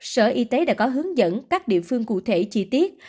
sở y tế đã có hướng dẫn các địa phương cụ thể chi tiết